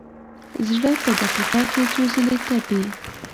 زړه په دقیقه کې څو ځله تپي.